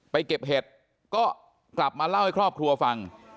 เก็บเห็ดก็กลับมาเล่าให้ครอบครัวฟัง